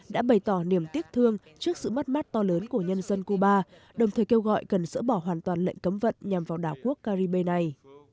đã bày tỏ niềm tiếc thương trước sự mất mát to lớn của nhân dân cuba đồng thời kêu gọi cần sỡ bỏ hoàn toàn lệnh cấm vận nhằm vào đảo quốc caribe này